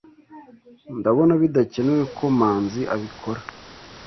Ndabona bidakenewe ko Manzi abikora.